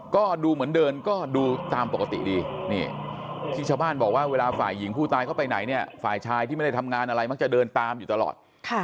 ก็ดูเหมือนเดินก็ดูตามปกติดีนี่ที่ชาวบ้านบอกว่าเวลาฝ่ายหญิงผู้ตายเข้าไปไหนเนี่ยฝ่ายชายที่ไม่ได้ทำงานอะไรมักจะเดินตามอยู่ตลอด